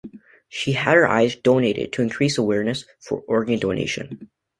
She had her eyes donated to increase awareness for organ donation.